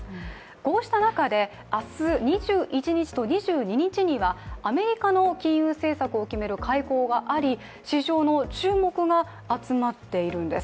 こうした中で明日２１日と２２日にはアメリカの金融政策を決める会合があり、市場の注目が集まっているんです。